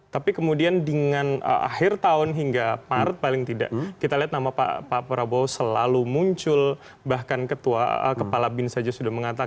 tapi kemudian dengan akhir tahun hingga maret paling tidak kita lihat nama pak prabowo selalu muncul bahkan ketua kepala bin saja sudah mengatakan